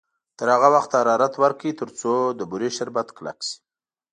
تر هغه وخته حرارت ورکړئ تر څو د بورې شربت کلک شي.